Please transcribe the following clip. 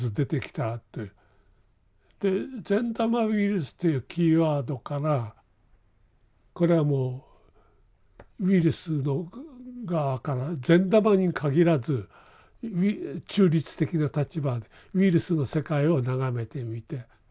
で善玉ウイルスというキーワードからこれはもうウイルスの側から善玉に限らず中立的な立場でウイルスの世界を眺めてみて。